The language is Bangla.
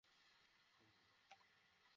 ওহ হাই আল্লাহ!